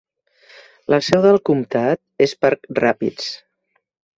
La seu del comtat és Park Rapids.